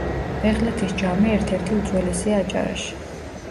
ბეღლეთის ჯამე ერთ-ერთი უძველესია აჭარაში.